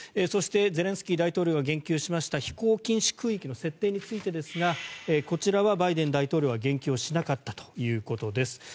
そして、ゼレンスキー大統領が言及しました飛行禁止空域の設定についてですがこちらはバイデン大統領は言及しなかったということです。